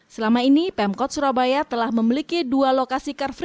selama ini pemkot surabaya telah memiliki dua lokasi car free day